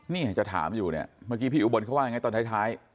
นี่จะถามอยู่เนี่ยเมื่อกี้พี่อุบลเขาว่ายังไงตอนท้าย